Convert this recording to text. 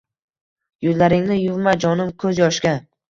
Yuzlaringni yuvma, jonim, ko‘z yoshga.